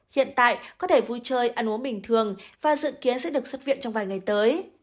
hiện tại có thể vui chơi ăn uống bình thường và dự kiến sẽ được xuất viện trong vài ngày tới